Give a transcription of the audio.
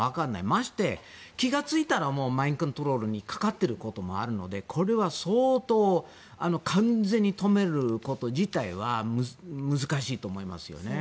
まして気が付いたらもうマインドコントロールにかかってることもあるので、これは相当完全に止めること自体難しいと思います。